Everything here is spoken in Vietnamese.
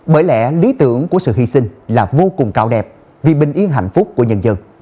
bởi lẽ lý tưởng của sự hy sinh là vô cùng cao đẹp vì bình yên hạnh phúc của nhân dân